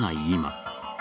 今。